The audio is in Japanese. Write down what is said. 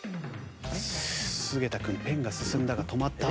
菅田君ペンが進んだが止まった。